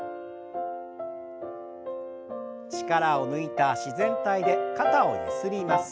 力を抜いた自然体で肩をゆすります。